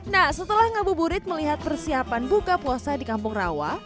nah setelah ngabuburit melihat persiapan buka puasa di kampung rawa